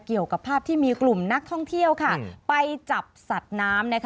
เกี่ยวกับภาพที่มีกลุ่มนักท่องเที่ยวไปจับสัตว์น้ำ